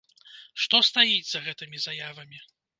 Што стаіць за гэтымі заявамі?